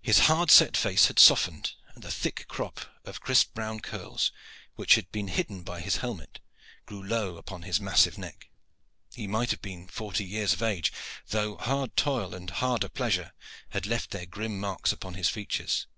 His hard set face had softened, and the thick crop of crisp brown curls which had been hidden by his helmet grew low upon his massive neck. He might have been forty years of age, though hard toil and harder pleasure had left their grim marks upon his features.